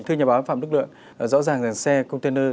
thưa nhà báo phạm đức lượng rõ ràng rằng xe container